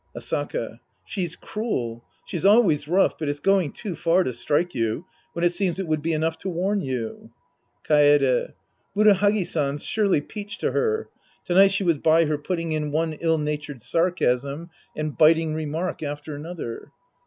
Asaka. She's cruel ! She's always rough, but it's going too far to strike you, when it seems it would be enough to warn you. Kaede. Murahagi San surely peached to her. To night she was by her putting in one ill natured sarcasm and biting remark after another.